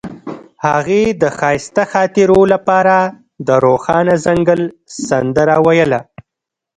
هغې د ښایسته خاطرو لپاره د روښانه ځنګل سندره ویله.